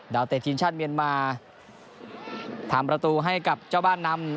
ดาวเตธินชั่นเมียนมาทำประตูให้กับเจ้าบ้านนำ